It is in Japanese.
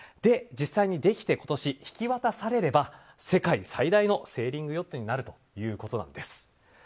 実際にできて今年引き渡されれば世界最大のセーリングヨットになるということなんです。